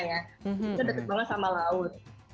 itu dekat banget sama laut